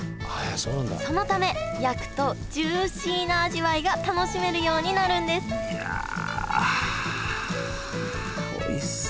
そのため焼くとジューシーな味わいが楽しめるようになるんですいやおいしそう。